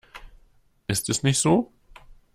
Ist es nicht so?